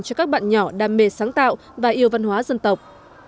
cho các bạn nhỏ đam mê sáng tạo và yêu văn hóa dân tộc